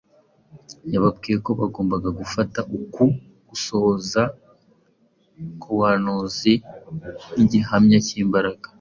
Yababwiye ko bagombaga gufata uku gusohora k’ubuhanuzi nk’igihamya cy’imbaraga